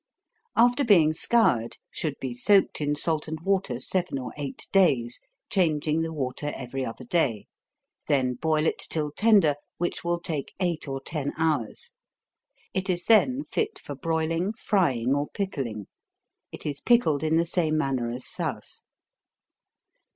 _ After being scoured, should be soaked in salt and water seven or eight days, changing the water every other day, then boil it till tender, which will take eight or ten hours. It is then fit for broiling, frying, or pickling. It is pickled in the same manner as souse.